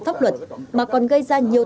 pháp luật mà còn gây ra nhiều